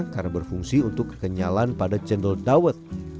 karena berfungsi untuk kenyalan pada cendol dawat